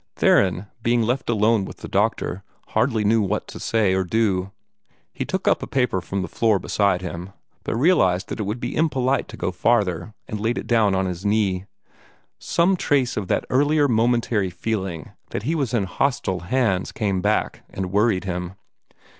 Theron, being left alone with the doctor, hardly knew what to do or say. He took up a paper from the floor beside him, but realized that it would be impolite to go farther, and laid it on his knee. Some trace of that earlier momentary feeling that he was in hostile hands came back, and worried him.